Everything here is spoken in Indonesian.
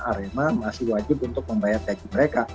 arema masih wajib untuk membayar tki mereka